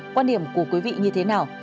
quan điểm của quý vị như thế nào